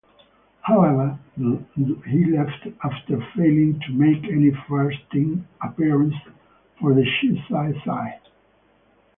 However, he left after failing to make any first-team appearances for the Cheshire side.